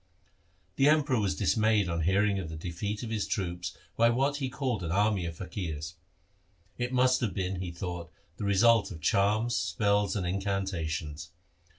The Emperor was dismayed on hearing of the defeat of his troops by what he called an army of faqirs. It must have been, he thought, the result of charms, spells, and incantations.